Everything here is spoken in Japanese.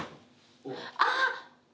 あっ！